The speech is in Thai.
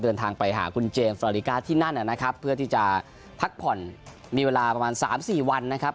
เดินทางไปหาคุณเจมส์ฟราลิกาที่นั่นนะครับเพื่อที่จะพักผ่อนมีเวลาประมาณสามสี่วันนะครับ